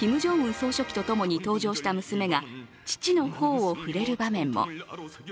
総書記と共に登場した娘が父の頬を触れる場面も。